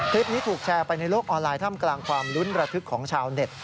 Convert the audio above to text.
คลิปนี้ถูกแชร์ไปในโลกออนไลน์ท่ามกลางความลุ้นระทึกของชาวเน็ต